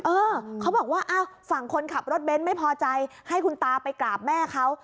เออเขาบอกว่าอ้าวฝั่งคนขับรถเบนท์ไม่พอใจให้คุณตาไปกราบแม่เขา